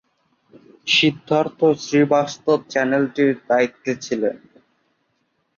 সিদ্ধার্থ শ্রীবাস্তব চ্যানেলটির দায়িত্বে ছিলেন।